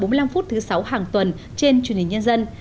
năm h bốn mươi năm phút thứ sáu hàng tuần trên truyền hình nhân dân